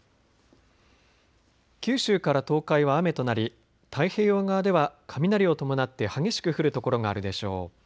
九州から東海は雨となり太平洋側では雷を伴って激しく降る所があるでしょう。